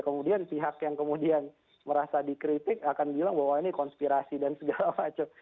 kemudian pihak yang kemudian merasa dikritik akan bilang bahwa ini konspirasi dan segala macam